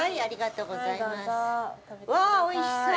うわあ、おいしそう。